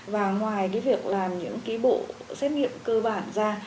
và ngoài cái việc làm những cái bộ xét nghiệm cơ bản ra